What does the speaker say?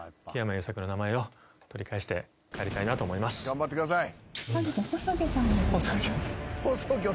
頑張ってください。